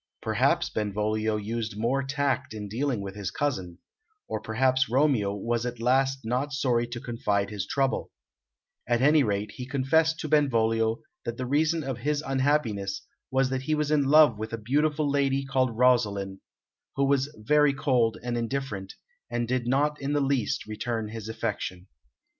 Perhaps Benvolio used more tact in dealing with his cousin, or perhaps Romeo was at last not sorry to confide his trouble; at any rate, he confessed to Benvolio that the reason of his unhappiness was that he was in love with a beautiful lady called Rosaline, who was very cold and indifferent, and did not in the least return his affection.